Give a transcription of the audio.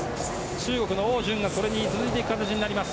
中国のオウ・ジュンがそれに続いていく形になります。